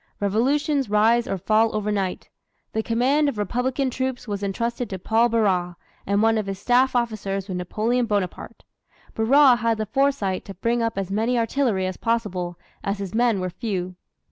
Revolutions rise or fall overnight. The command of Republican troops was entrusted to Paul Barras, and one of his staff officers was Napoleon Bonaparte. Barras had the foresight to bring up as much artillery as possible, as his men were few.